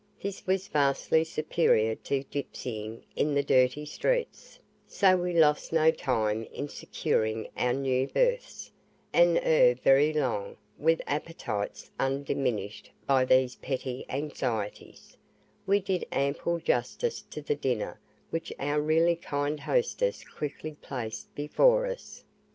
This was vastly superior to gipsying in the dirty streets, so we lost no time in securing our new berths, and ere very long, with appetites undiminished by these petty anxieties, we did ample justice to the dinner which our really kind hostess quickly placed before us.